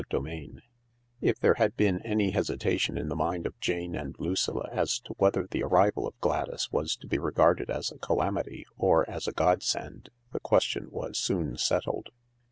CHAPTER XX If there had been any hesitation in the mind of Jane and Lucilla as to whether the arrival of Gladys was to be regarded as a calamity or as a godsend the question was soon settled.